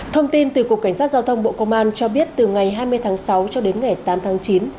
thông tin từ cục cảnh sát giao thông bộ công an cho biết từ ngày hai mươi tháng sáu cho đến ngày tám tháng chín